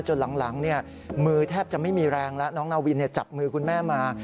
หลังมือแทบจะไม่มีแรงแล้วน้องนาวินจับมือคุณแม่มา